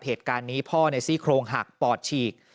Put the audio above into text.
เหตุการณ์นี้พ่อในซี่โครงหักปอดฉีก